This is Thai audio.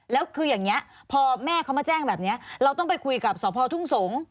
แล้วคืออย่างนี้พอแม่เขามาแจ้งแบบนี้เราต้องไปคุยกับสพทุ่งสงศ์